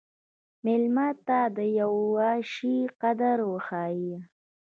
مېلمه ته د یوه شي قدر وښیه.